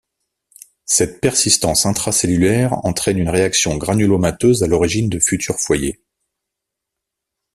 Cette persistance intracellulaire entraine une réaction granulomateuse à l'origine de futurs foyers.